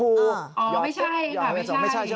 อ๋อไม่ใช่ค่ะไม่ใช่ไม่ใช่ค่ะ